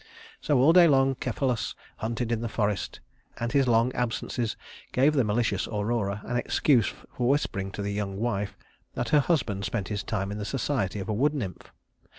So all day long Cephalus hunted in the forest, and his long absences gave the malicious Aurora an excuse for whispering to the young wife that her husband spend his time in the society of a wood nymph.